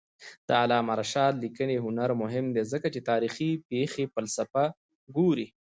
د علامه رشاد لیکنی هنر مهم دی ځکه چې تاریخي پېښې فلسفي ګوري.